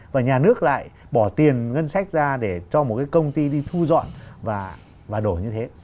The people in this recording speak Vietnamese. và nhà nước lại bỏ tiền ngân sách ra để cho một cái công ty đi thu dọn và đổ như thế